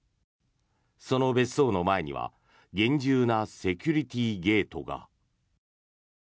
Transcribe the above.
その別荘の前には厳重なセキュリティーゲートが。